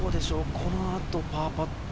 この後、パーパット。